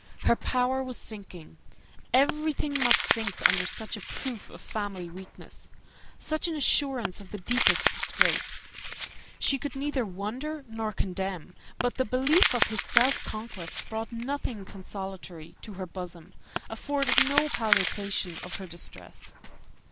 Her power was sinking; everything must sink under such a proof of family weakness, such an assurance of the deepest disgrace. She could neither wonder nor condemn; but the belief of his self conquest brought nothing consolatory to her bosom, afforded no palliation of her distress.